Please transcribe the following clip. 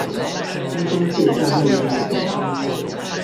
輕鬆卸下內心的重擔